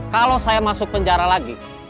kalau saya masuk penjara lagi